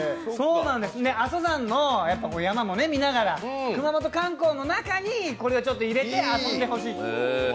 阿蘇山の山も見ながら熊本観光の中にこれを入れて遊んでほしい。